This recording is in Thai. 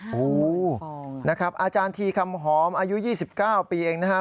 โอ้โหนะครับอาจารย์ทีคำหอมอายุ๒๙ปีเองนะครับ